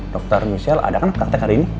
dokter michelle ada kan kontak kontak hari ini